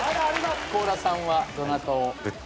高良さんはどなたを？